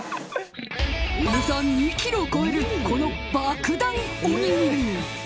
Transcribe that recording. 重さ２ｋｇを超えるこの爆弾おにぎり。